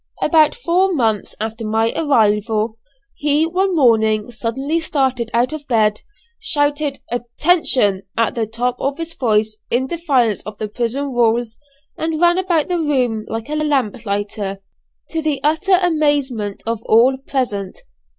About four months after my arrival, he one morning suddenly started out of bed, shouted "Attention," at the top of his voice, in defiance of the prison rules, and ran about the room like a lamplighter, to the utter amazement of all present.